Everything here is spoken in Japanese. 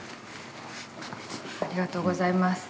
・ありがとうございます。